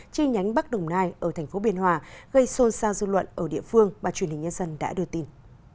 chi nhánh bắc đồng nai ở thành phố biên hòa gây xôn xa dư luận ở địa phương